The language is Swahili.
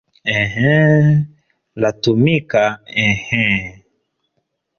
"Enhe, latumika enhe"